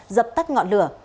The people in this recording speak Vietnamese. dập tắt ngọn lửa